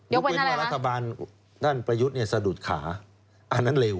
ยกเว้นว่ารัฐบาลท่านประยุทธ์สะดุดขาอันนั้นเร็ว